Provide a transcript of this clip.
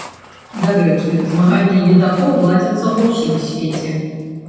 Дарэчы, змаганні едакоў ладзяцца ва ўсім свеце.